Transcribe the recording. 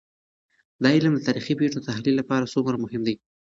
دا علم د تاريخي پېښو د تحلیل لپاره څومره مهم دی؟